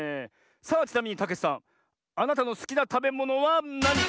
さあちなみにたけちさんあなたのすきなたべものはなに？